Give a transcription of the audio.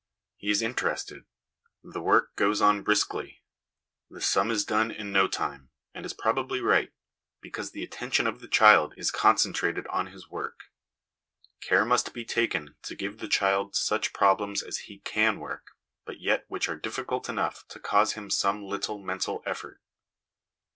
He is interested ; the work goes on briskly : the sum is done in no time, and is probably right, because the attention of the child is concen trated on his work. Care must be taken to give the child such problems as he can work, but yet which are difficult enough to cause him some little mental effort.